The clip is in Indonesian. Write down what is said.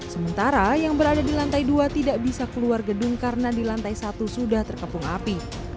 sementara yang berada di lantai dua tidak bisa keluar gedung karena di lantai satu sudah terkepung api